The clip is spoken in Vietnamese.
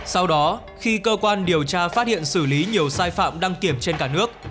sau đó khi cơ quan điều tra phát hiện xử lý nhiều sai phạm đăng kiểm trên cả nước